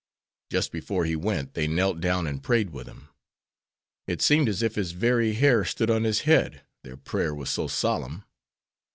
Just before he went they knelt down and prayed with him. It seemed as if his very hair stood on his head, their prayer was so solemn.